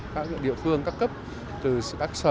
các địa phương các cấp từ các sở